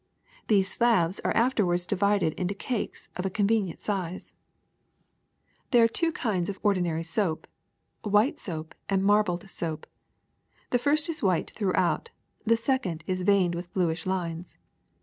These slabs are after ward divided into cakes of a convenient size. SOAP 103 *^ There are two kinds of ordinary soap, white soap and marbled soap. The first is white throughout, the second veined with bluish lines.